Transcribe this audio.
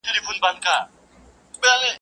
له کوڅه دربي سپي مه بېرېږه.